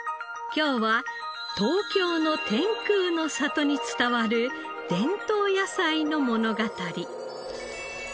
今日は東京の天空の里に伝わる伝統野菜の物語。